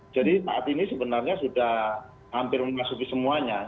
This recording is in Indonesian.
jadi saat ini sebenarnya sudah hampir memasuki musim hujan